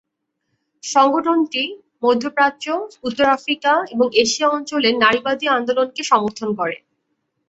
সংগঠনটি মধ্যপ্রাচ্য, উত্তর আফ্রিকা এবং এশিয়া অঞ্চলের নারীবাদী আন্দোলনকে সমর্থন করে।